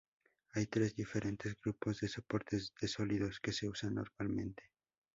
Hay tres diferentes grupos de soportes de sólidos que se usan normalmente.